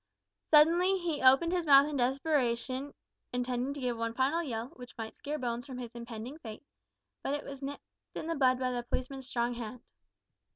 Suddenly he opened his mouth in desperation, intending to give one final yell, which might scare Bones from his impending fate, but it was nipped in the bud by the policeman's strong hand.